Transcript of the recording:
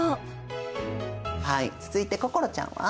はい続いて心ちゃんは？